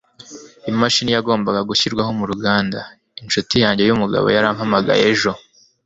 Imashini yagombaga gushyirwaho muruganda. Inshuti yanjye yumugabo yarampamagaye ejo